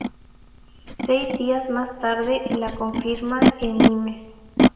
Seis días más tarde la confirma en Nimes.